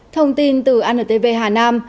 thông tin từ antv hà nam